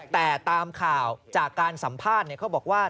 แต่ตามข่าวจากการสัมภาษณ์เขาบอกว่า